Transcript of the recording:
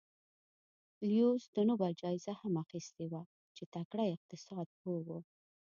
لیوس د نوبل جایزه هم اخیستې وه چې تکړه اقتصاد پوه و.